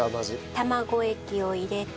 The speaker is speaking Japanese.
卵液を入れて。